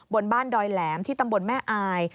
บนบ้านดอยแหลมที่ตำบลแม่อาย